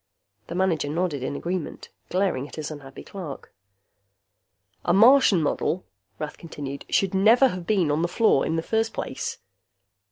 The manager nodded in agreement, glaring at his unhappy clerk. "A Martian model," Rath continued, "should never have been on the floor in the first place."